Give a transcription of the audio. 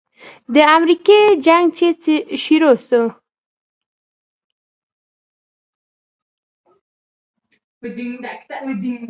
د امريکې جنگ چې شروع سو.